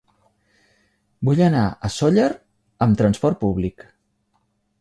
Vull anar a Sóller amb transport públic.